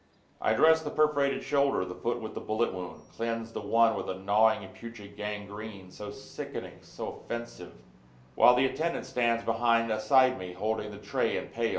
I dress the perforated shoulder, the foot with the bullet wound, Cleanse the one with a gnawing and putrid gangrene, so sickening, so offensive, While the attendant stands behind aside me holding the tray and pail.